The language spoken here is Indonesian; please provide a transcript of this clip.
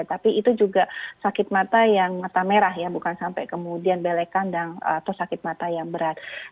tapi itu juga sakit mata yang mata merah ya bukan sampai kemudian belek kandang atau sakit mata yang berat